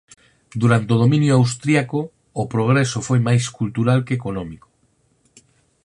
Durante o dominio austríaco o progreso foi máis cultural que económico.